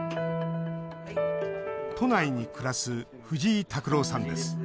都内に暮らす藤井拓郎さんです。